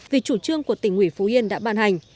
vì chủ trương của tỉnh ủy phú yên đã ban hành